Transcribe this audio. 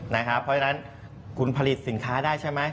เพราะฉะนั้นคุณผลิตสินค้าได้ใช่ไหม